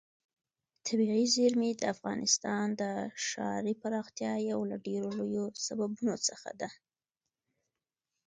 طبیعي زیرمې د افغانستان د ښاري پراختیا یو له ډېرو لویو سببونو څخه ده.